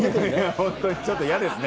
本当に、ちょっと嫌ですね。